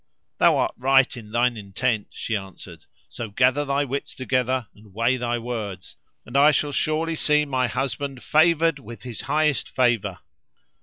"Thou art right in thine intent," she answered, "so gather thy wits together and weigh thy words, and I shall surely see my husband favoured with his highest favour."